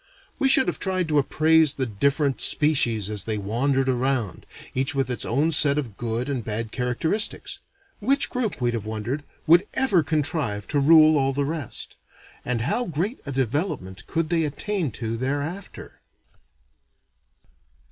We should have tried to appraise the different species as they wandered around, each with its own set of good and bad characteristics. Which group, we'd have wondered, would ever contrive to rule all the rest? And how great a development could they attain to thereafter?